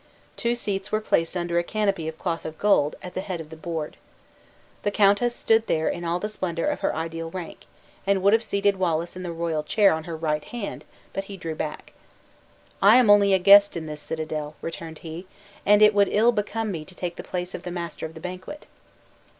Two seats were placed under a canopy of cloth of gold, at the head of the board. The countess stood there in all the splendor of her ideal rank, and would have seated Wallace in the royal chair on her right hand, but he drew back. "I am only a guest in this citadel," returned he; "and it would ill become me to take the place of the master of the banquet."